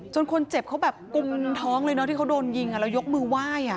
คนเจ็บเขาแบบกุมท้องเลยเนอะที่เขาโดนยิงแล้วยกมือไหว้